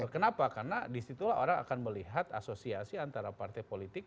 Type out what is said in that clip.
kenapa karena disitulah orang akan melihat asosiasi antara partai politik